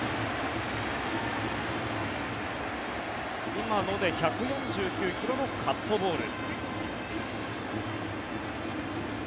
今ので１４９ｋｍのカットボール。